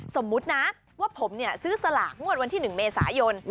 สมมุตินะว่าผมซื้อสลากงวดวันที่๑เมษายน